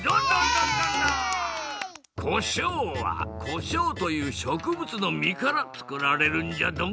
こしょうはこしょうというしょくぶつの実からつくられるんじゃドン。